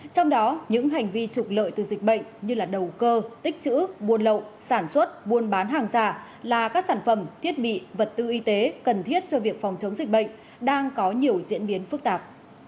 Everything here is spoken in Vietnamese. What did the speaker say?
trong đó những hành vi trục lợi từ dịch bệnh như đầu cơ tích chữ buôn lậu sản xuất buôn bán hàng giả là các sản phẩm thiết bị vật tư y tế cần thiết cho việc phòng chống dịch bệnh đang có nhiều diễn biến phức tạp